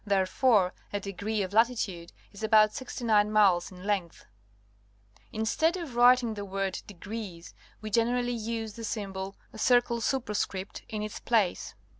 Therefore a degree of latitude is about sixty nine miles in length. Instead of writing the word "degrees," we generally use the sjTiibol ° in its place.